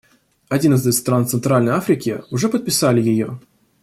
Одиннадцать стран Центральной Африки уже подписали ее.